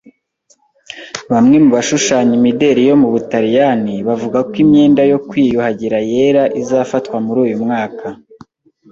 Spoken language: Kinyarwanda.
Bamwe mu bashushanya imideli yo mu Butaliyani bavuga ko imyenda yo kwiyuhagira yera izafatwa muri uyu mwaka.